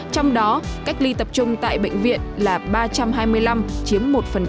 trong đó cách ly tập trung tại bệnh viện là ba trăm hai mươi năm chiếm một